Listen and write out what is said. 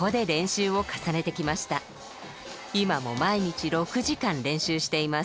今も毎日６時間練習しています。